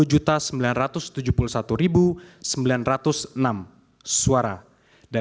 sedangkan pasangan calon nomor satu yang terkait dengan pengurangan suara hanya berjumlah lima belas suara